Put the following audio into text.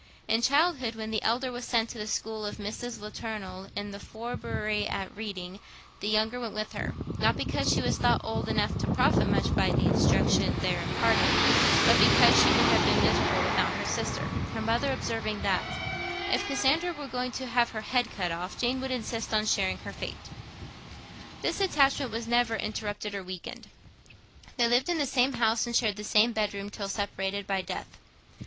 In childhood, when the elder was sent to the school of a Mrs. Latournelle, in the Forbury at Reading, the younger went with her, not because she was thought old enough to profit much by the instruction there imparted, but because she would have been miserable without her sister; her mother observing that 'if Cassandra were going to have her head cut off, Jane would insist on sharing her fate.' This attachment was never interrupted or weakened. They lived in the same home, and shared the same bed room, till separated by death.